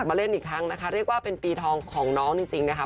ไปฟังเสียงน้องยากันหน่อยค่ะ